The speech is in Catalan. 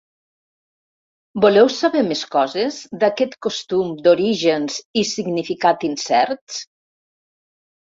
Voleu saber més coses d’aquest costum d’orígens i significat incerts?